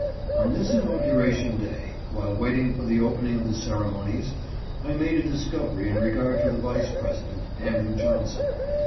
On this inauguration day, while waiting for the opening of the ceremonies, I made a discovery in regard to the Vice President, Andrew Johnson.